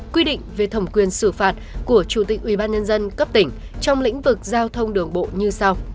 quy định về thẩm quyền xử phạt của chủ tịch ubnd cấp tỉnh trong lĩnh vực giao thông đường bộ như sau